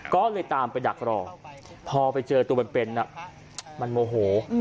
ก็เลยตามไปดักรอพอไปเจอตัวเป็นมันโมโห